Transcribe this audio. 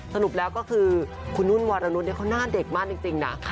สรุปแล้วก็คือคุณนุ่นวรนุษย์เขาหน้าเด็กมากจริงนะ